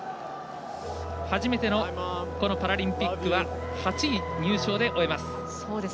初めてのパラリンピックは８位入賞で終えます。